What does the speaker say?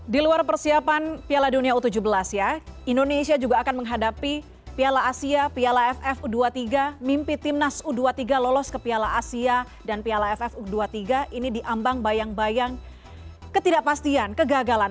di luar persiapan piala dunia u tujuh belas ya indonesia juga akan menghadapi piala asia piala ff u dua puluh tiga mimpi timnas u dua puluh tiga lolos ke piala asia dan piala ff u dua puluh tiga ini diambang bayang bayang ketidakpastian kegagalan